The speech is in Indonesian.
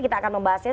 kita akan membahasnya